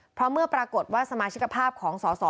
เพราะเมื่อปรากฏว่าสมาชิกภาพของสอสอ